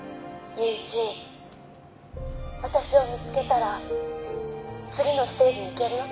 祐一私を見つけたら次のステージに行けるよ。